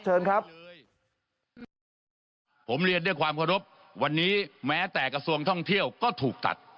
เชิญครับผมเรียนด้วยความเคารพวันนี้แม้แต่กระทรวงท่องเที่ยวก็ถูกตัด